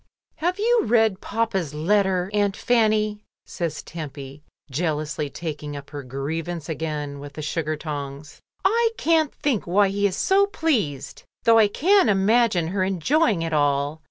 "Have you read papa's letter. Aunt Fanny?" says Tempy, jealously taking up her grievance again with the sugar tongs. "I can't think why he is so pleased, though I can imagine her enjoying it all.